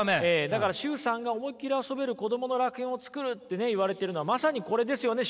だから崇さんが思いっきり遊べる子供の楽園を作るってね言われているのはまさにこれですよね？